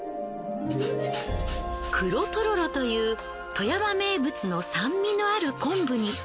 「黒とろろ」という富山名物の酸味のある昆布に。